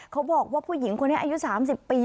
เขาบอกว่าผู้หญิงคนนี้อายุ๓๐ปี